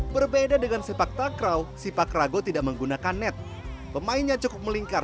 berbeda dengan sepak takraw sipak rago tidak menggunakan net pemainnya cukup melingkar